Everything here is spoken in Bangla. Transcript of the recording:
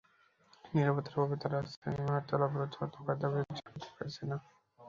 নিরাপত্তার অভাবে তাঁরা রাস্তায় নেমে হরতাল-অবরোধ বন্ধ করার দাবিও জানাতে পারছেন না।